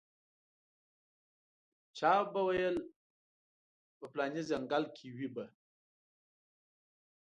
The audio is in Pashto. چا به ویل په پلاني ځنګل کې وي به.